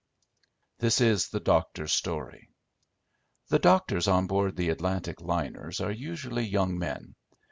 This is the doctor's story— The doctors on board the Atlantic liners are usually young men.